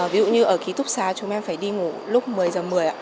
ví dụ như ở ký túc xá chúng em phải đi ngủ lúc một mươi h một mươi ạ